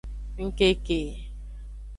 Ngkeke.